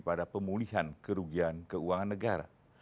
pada pemulihan kerugian keuangan negara